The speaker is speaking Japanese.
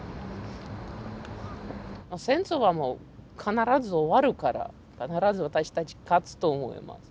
戦争はもう必ず終わるから必ず私たち勝つと思います。